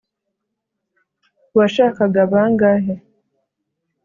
washakaga bangahe